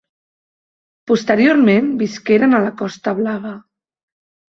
Posteriorment visqueren a la Costa Blava.